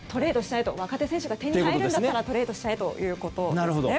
若手選手が手に入るんだったらトレードしちゃえということなんですね。